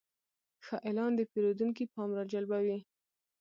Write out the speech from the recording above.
ښه اعلان د پیرودونکي پام راجلبوي.